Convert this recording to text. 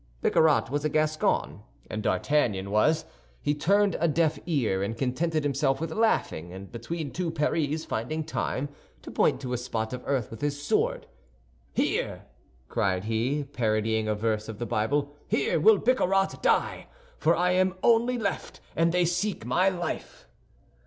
Bicarat was a Gascon, as D'Artagnan was; he turned a deaf ear, and contented himself with laughing, and between two parries finding time to point to a spot of earth with his sword, "Here," cried he, parodying a verse of the Bible, "here will Bicarat die; for I only am left, and they seek my life."